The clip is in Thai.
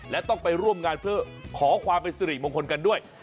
และต้องไปร่วมงานเพื่อขอความเป็นสิริมงคลกันด้วย